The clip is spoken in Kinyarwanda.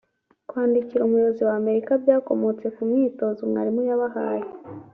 Kwandikira Umuyobozi wa Amerika byakomotse ku mwitozo mwarimu yabahaye